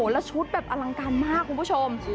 แล้วชุดแบบอลังการมากคุณผู้ชม